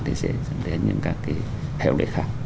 thì sẽ dẫn đến những các hẹo lệ khác